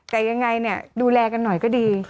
แต่ยังไงเนี่ยดูแลกันหน่อยก็ดี